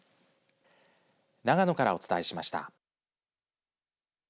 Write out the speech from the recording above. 長野からお伝えしました。